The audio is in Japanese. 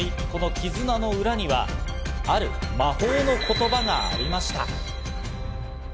この絆の裏にはある魔法の言葉がありました。